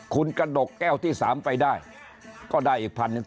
คุณกระดกแก้วที่๓ไปได้ก็ได้อีกพันหนึ่ง